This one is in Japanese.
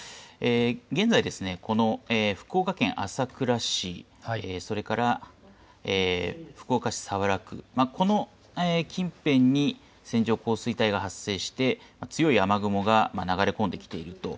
現在、この福岡県朝倉市、それから福岡市早良区、この近辺に線状降水帯が発生して、強い雨雲が流れ込んできていると。